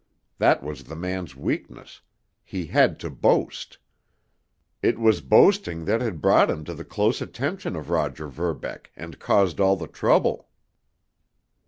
That was the man's weakness—he had to boast. It was boasting that had brought him to the close attention of Roger Verbeck and caused all the trouble.